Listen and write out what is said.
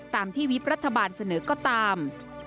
ตามที่วิบรัฐบาลเสนอก็ตาม